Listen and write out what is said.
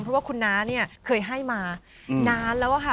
เพราะว่าคุณน้าเนี่ยเคยให้มานานแล้วค่ะ